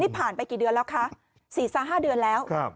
นี่ผ่านไปกี่เดือนแล้วคะสี่สามห้าเดือนแล้วครับ